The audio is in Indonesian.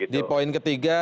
di poin ketiga